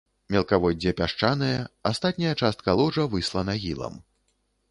Мелкаводдзе пясчанае, астатняя частка ложа выслана ілам.